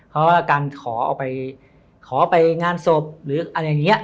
เพราะว่าการขอเอาไปขอไปงานศพหรืออะไรอย่างนี้